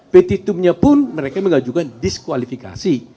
petitumnya pun mereka mengajukan diskualifikasi